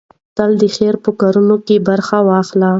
تل د خير په کارونو کې برخه واخلئ.